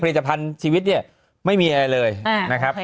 ภัณฑ์ชีวิตเนี่ยไม่มีอะไรเลยนะครับ